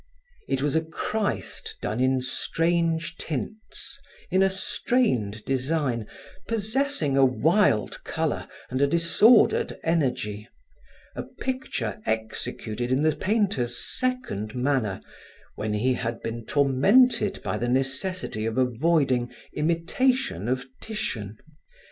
It was a Christ done in strange tints, in a strained design, possessing a wild color and a disordered energy: a picture executed in the painter's second manner when he had been tormented by the necessity of avoiding imitation of Titian.